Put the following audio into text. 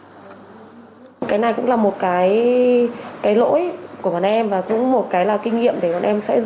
sau khi thu giữ toàn bộ hàng hóa và tiến hành đấu tranh khai